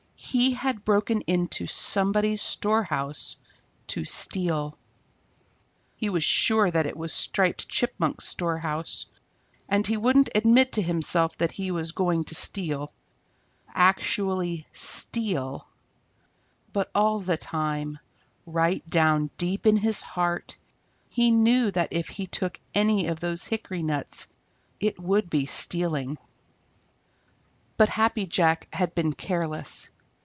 He had broken into somebody's storehouse to steal. He was sure that it was Striped Chipmunk's storehouse, and he wouldn't admit to himself that he was going to steal, actually steal. But all the time, right down deep in his heart, he knew that if he took any of those hickory nuts it would be stealing. But Happy Jack had been careless.